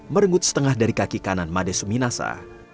merenggut setengah dari kaki kanan madesuminasa